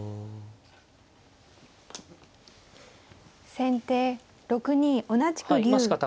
先手６二同じく竜。